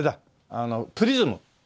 あのプリズム。